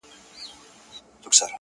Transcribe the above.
o لېوني تې ول ځغله، چي مست راغی.